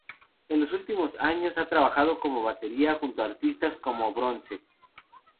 En los últimos años ha trabajado como batería junto a artistas como Bronze.